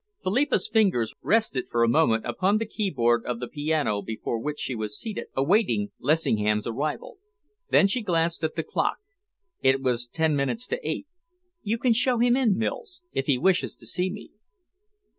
Philippa's fingers rested for a moment upon the keyboard of the piano before which she was seated, awaiting Lessingham's arrival. Then she glanced at the clock. It was ten minutes to eight. "You can show him in, Mills, if he wishes to see me."